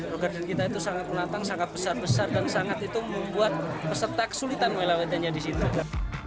rock garden kita itu sangat menantang sangat besar besar dan sangat itu membuat peserta kesulitan melewatinya disitu